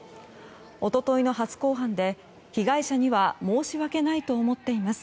一昨日の初公判で被害者には申し訳ないと思っています。